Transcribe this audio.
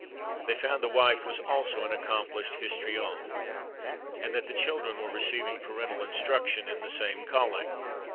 They found the wife was also an accomplished histrione, and that the children were receiving parental instruction in the same calling.